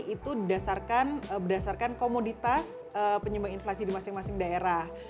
itu berdasarkan komoditas penyumbang inflasi di masing masing daerah